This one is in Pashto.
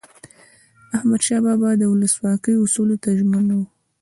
احمدشاه بابا به د ولسواکۍ اصولو ته ژمن و.